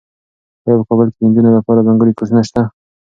ایا په کابل کې د نجونو لپاره ځانګړي کورسونه شته؟